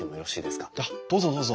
あっどうぞどうぞ。